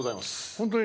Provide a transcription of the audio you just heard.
本当に。